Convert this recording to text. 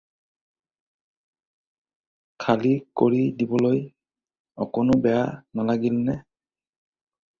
খালী কৰি দিবলৈ অকণো বেয়া নালাগিলনে?